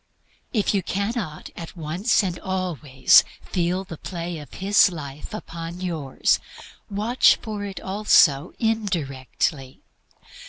If you cannot at once and always feel the play of His life upon yours, watch for it also indirectly.